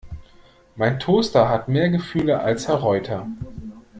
Mein Toaster hat mehr Gefühle als Herr Reuter!